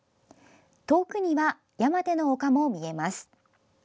遠くには山手の丘も見えます。